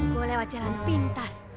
gua lewat jalan pintas